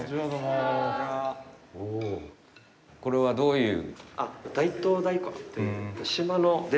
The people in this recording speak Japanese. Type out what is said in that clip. これはどういう？